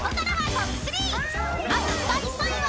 ［まず第３位は］